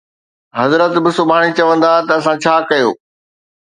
حضرت به سڀاڻي چوندا ته اسان ڇا ڪيو